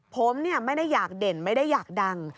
ผมไม่ได้อยากเด่นไม่ได้อยากดัง